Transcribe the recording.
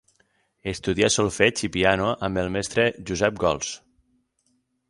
Estudià solfeig i piano amb el mestre Josep Gols.